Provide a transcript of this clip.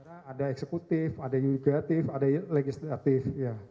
ada eksekutif ada yudikatif ada legislatif